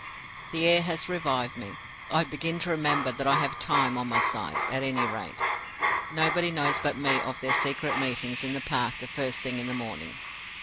"The air has revived me. I begin to remember that I have Time on my side, at any rate. Nobody knows but me of their secret meetings in the park the first thing in the morning.